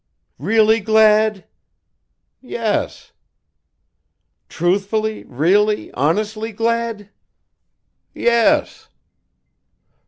"Really glad?" "Yes." "Truthfully, really, honestly glad?" "Yes."